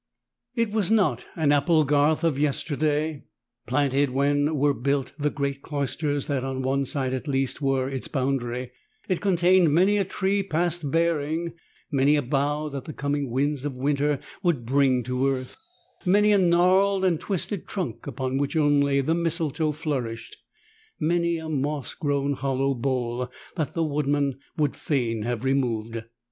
It was not an apple garth of yesterday. Planted when were built the great cloisters that, on one side at least, were its boundary, it contained many a tree past bearing, many a bough that the coming winds of winter would bring to earth, many a gnarled and twisted trunk upon which only the mistletoe flourished, many a, moss grown hollow bole that the woodmen would fain have removed.